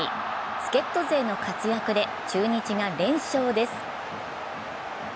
助っと勢の活躍で中日が連勝です。